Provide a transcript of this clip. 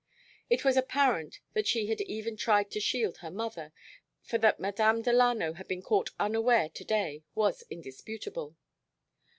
It was apparent that she had even tried to shield her mother, for that Madame Delano had been caught unaware to day was indisputable.